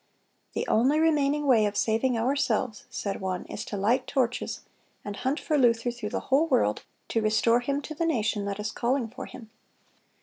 "The only remaining way of saving ourselves," said one, "is to light torches, and hunt for Luther through the whole world, to restore him to the nation that is calling for him."